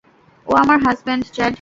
ও আমার husband, Chad.